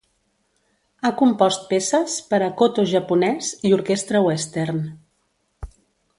Ha compost peces per a koto japonès i orquestra Western.